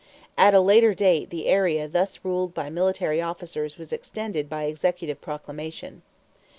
At a later date the area thus ruled by military officers was extended by executive proclamation.